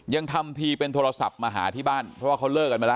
ยังทำทีเป็นโทรศัพท์มาหาที่บ้านเพราะว่าเขาเลิกกันมาแล้ว